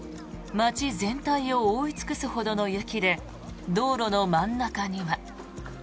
街全体を覆い尽くすほどの雪で道路の真ん中には。